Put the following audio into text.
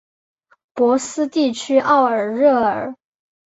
博斯地区奥尔热尔。